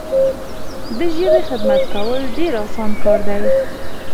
د ژبي خدمت کول ډیر اسانه کار دی.